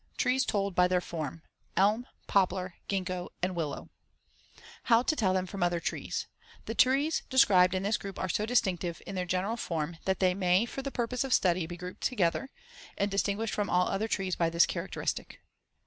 TREES TOLD BY THEIR FORM: ELM, POPLAR, GINGKO AND WILLOW How to tell them from other trees: The trees described in this group are so distinctive in their general form that they may, for the purpose of study, be grouped together, and distinguished from all other trees by this characteristic.